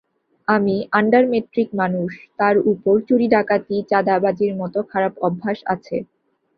আমি under matric মানুষ, তার ওপর চুরি-ডাকাতি-চাঁদাবাজির মতো খারাপ অভ্যাস আছে।